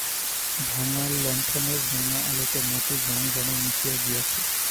ভাঙা লণ্ঠনের রাঙা আলোতে মতির রঙ যেন মিশিয়া গিয়াছে।